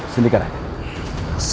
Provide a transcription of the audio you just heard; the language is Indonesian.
sini ke arah kami